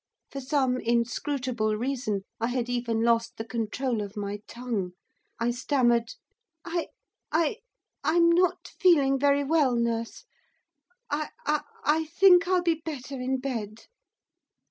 For some inscrutable reason I had even lost the control of my tongue, I stammered. 'I I I'm not feeling very well, nurse; I I I think I'll be better in bed.